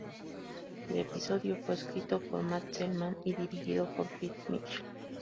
El episodio fue escrito por Matt Selman y dirigido por Pete Michels.